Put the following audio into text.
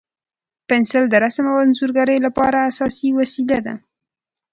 پنسل د رسم او انځورګرۍ لپاره اساسي وسیله ده.